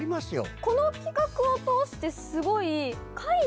この企画を通してすごい。